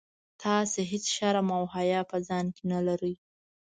تاسي هیڅ شرم او حیا په ځان کي نه لرئ.